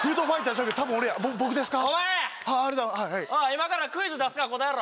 今からクイズ出すから答えろ！